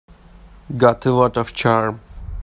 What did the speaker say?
Got a lot of charm.